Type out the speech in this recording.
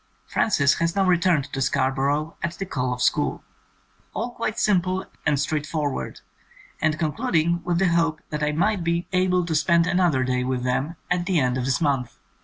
(Frances has now re turned to Scarborough at the call of school.) All quite simple and straightforward and concluding with the hope that I might be 95 THE COMING OF THE FAIRIES able to spend another day with them at the end of this month.